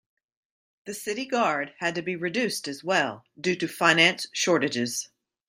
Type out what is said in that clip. The city guard had to be reduced as well due to finance shortages.